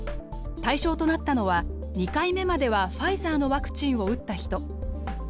対象となったのは２回目まではファイザーのワクチンを打った人。